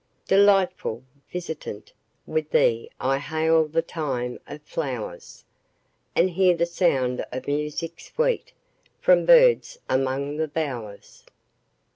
Delightful visitant! with thee I hail the time of flowers, And hear the sound of music sweet From birds among the bowers.